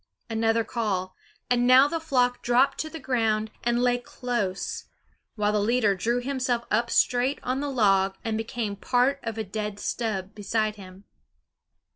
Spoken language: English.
Another call, and now the flock dropped to the ground and lay close, while the leader drew himself up straight on the log and became part of a dead stub beside him.